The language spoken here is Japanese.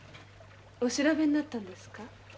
お調べになったんですか？